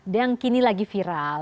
dan kini lagi viral